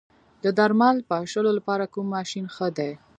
د درمل پاشلو لپاره کوم ماشین ښه دی؟